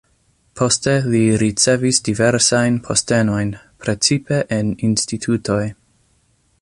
Poste li ricevis diversajn postenojn, precipe en institutoj.